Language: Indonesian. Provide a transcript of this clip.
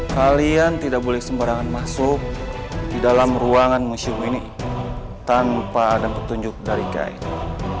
kalian tidak boleh sembarangan masuk di dalam ruangan museum ini tanpa ada petunjuk dari guide